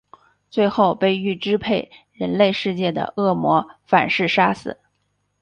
最后被欲支配人类世界的恶魔反噬杀死。